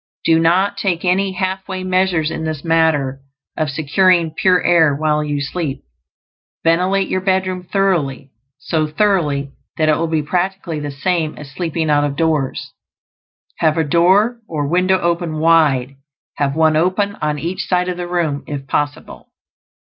Do not take any half way measures in this matter of securing pure air while you sleep. Ventilate your bedroom thoroughly; so thoroughly that it will be practically the same as sleeping out of doors. Have a door or window open wide; have one open on each side of the room, if possible.